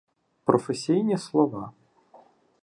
Професійні слова